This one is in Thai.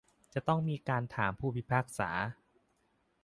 จะต้องมีการถามผู้พิพากษา